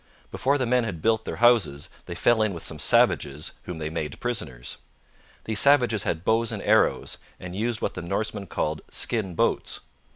Before the men had built their houses they fell in with some savages, whom they made prisoners. These savages had bows and arrows, and used what the Norsemen called 'skin boats.'